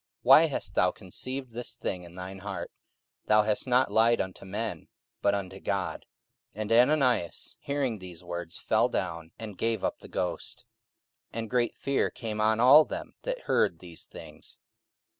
why hast thou conceived this thing in thine heart? thou hast not lied unto men, but unto God. 44:005:005 And Ananias hearing these words fell down, and gave up the ghost: and great fear came on all them that heard these things.